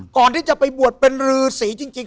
ก่อนที่จะไปบวชเป็นรือสีจริง